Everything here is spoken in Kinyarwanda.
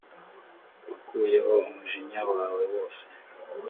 wakuyeho umujinya wawe wose